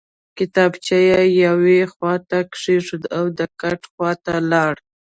کتابچه یې یوې خواته کېښوده او د کټ خواته لاړ